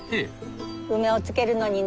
梅を漬けるのにね